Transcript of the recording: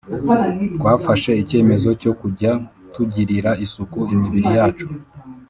twafashe ikemezo cyo kujya tugirira isuku imibiri yacu